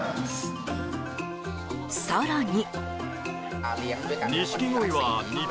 更に。